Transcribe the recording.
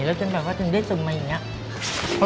แล้วจนแบบว่าถึงได้ส่งมาอย่างนี้